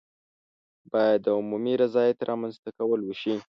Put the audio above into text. باید د عمومي رضایت رامنځته کول وشي.